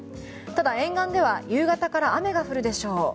ただ、沿岸では夕方から雨が降るでしょう。